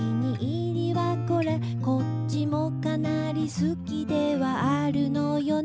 「こっちもかなり好きではあるのよね」